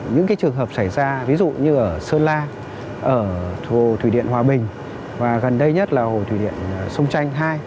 những cái trường hợp xảy ra ví dụ như ở sơn lan ở thủy điện hòa bình và gần đây nhất là hồ thủy điện sông chanh hai